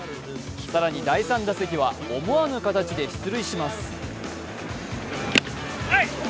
更に第３打席は思わぬ形で出塁します。